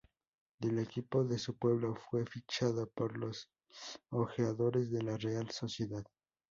Del equipo de su pueblo fue fichado por los ojeadores de la Real Sociedad.